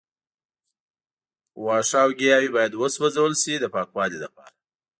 وښه او ګیاوې باید وسوځول شي د پاکوالي لپاره.